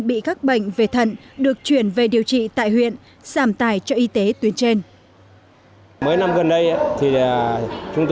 bị các bệnh về thận được chuyển về điều trị tại huyện giảm tài cho y tế tuyến trên